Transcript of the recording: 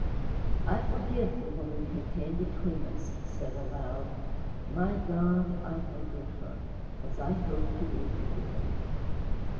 'I forgive the woman who came between us,' he said aloud. 'My God, I forgive her as I hope to be forgiven!'